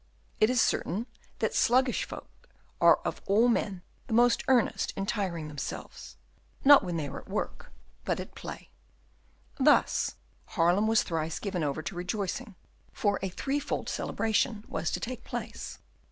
It is certain that sluggish folk are of all men the most earnest in tiring themselves, not when they are at work, but at play. Thus Haarlem was thrice given over to rejoicing, for a three fold celebration was to take place.